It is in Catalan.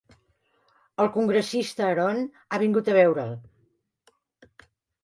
El congressista Aaron ha vingut a veure'l.